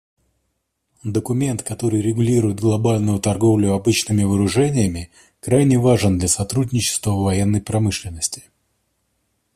Документ, который регулирует глобальную торговлю обычными вооружениями, крайне важен для сотрудничества в военной промышленности.